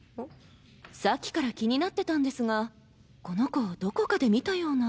さっきから気になってたんですがこの子どこかで見たような。